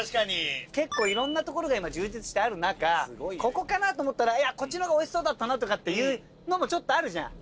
結構いろんな所が今充実してある中ここかなと思ったらいやこっちのほうがおいしそうだったなっていうのもちょっとあるじゃん。